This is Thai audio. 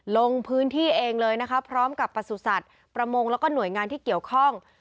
ลงพื้นที่เองเลยนะคะพร้อมกับประสุทธิ์ประมงแล้วก็หน่วยงานที่เกี่ยวข้อง